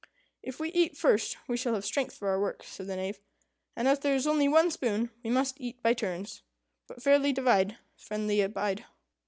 "If we eat first, we shall have strength for our work," said the Knave; "and as there is only one spoon, we must eat by turns. But fairly divide, friendly abide.